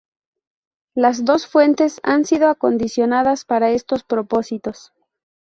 Las dos fuentes han sido acondicionadas para estos propósitos.